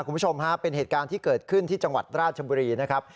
คุณผู้ชมฮะเป็นเหตุการณ์ที่เกิดขึ้นที่จังหวัดราชบุรีนะครับ